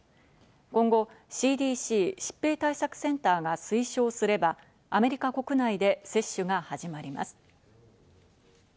今後、ＣＤＣ＝疾病対策センターが推奨すれば、アメリカ国内で接種が始まります。